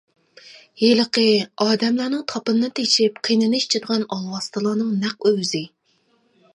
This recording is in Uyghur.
ھېلىقى ئادەملەرنىڭ تاپىنىنى تېشىپ قېنىنى ئىچىدىغان ئالۋاستىلارنىڭ نەق ئۆزى.